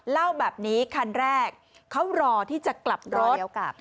เล่าแบบนี้คันแรกเขารอที่จะกลับรถ